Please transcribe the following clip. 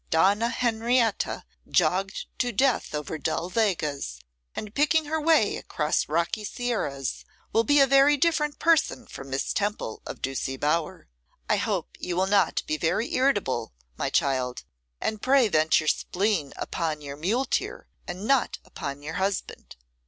Donna Henrietta, jogged to death over dull vegas, and picking her way across rocky sierras, will be a very different person from Miss Temple, of Ducie Bower. I hope you will not be very irritable, my child; and pray vent your spleen upon your muleteer, and not upon your husband.